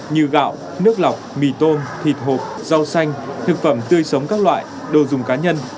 như gạo nước lọc mì tôm thịt hộp rau xanh thực phẩm tươi sống các loại đồ dùng cá nhân